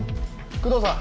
工藤さん！